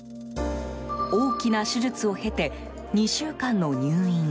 大きな手術を経て２週間の入院。